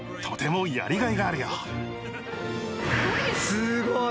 すごい。